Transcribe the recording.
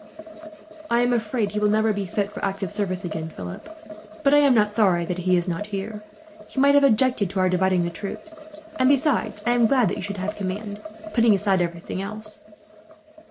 "I am afraid he will never be fit for active service again, Philip. But I am not sorry that he is not here. He might have objected to our dividing the troop; and besides, I am glad that you should command, putting aside everything else.